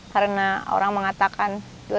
karena orang mengatakan